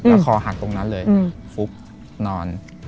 แล้วคอหักตรงนั้นเลยฟุ๊บนอน